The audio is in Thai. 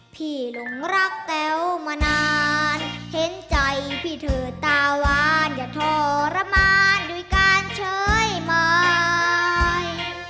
หลงรักแต๋วมานานเห็นใจพี่เธอตาวานอย่าทรมานด้วยการเฉยหมาย